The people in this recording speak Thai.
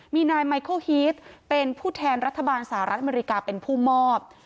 มีนายไมเคิลฮีตเป็นผู้แทนรัฐบาลสหรัฐอเมริกาเป็นผู้มอบ